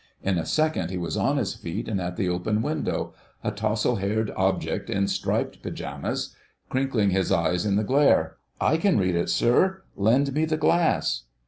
In a second he was on his feet and at the open window, a tousled haired object in striped pyjamas, crinkling his eyes in the glare. "I can read it, sir; lend me the glass."